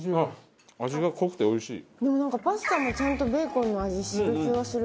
でもなんかパスタもちゃんとベーコンの味する気がする。